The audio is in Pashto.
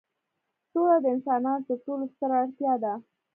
سوله د انسانانو تر ټولو ستره اړتیا ده.